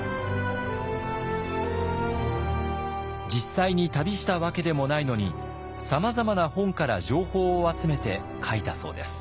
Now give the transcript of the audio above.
実際に旅したわけでもないのにさまざまな本から情報を集めて書いたそうです。